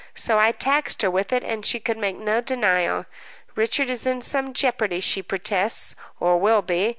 So I taxed her with it, and she could make no denial. Richard is in some jeopardy, she protests, or will be.